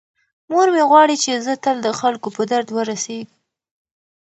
مور مې غواړي چې زه تل د خلکو په درد ورسیږم.